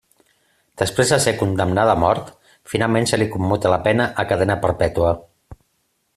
Després de ser condemnada a mort, finalment se li commuta la pena a cadena perpètua.